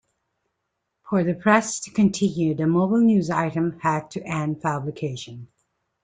For the "Press" to continue, the "Mobile News-Item" had to end publication.